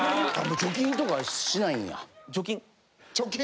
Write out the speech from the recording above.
貯金とかしないんや？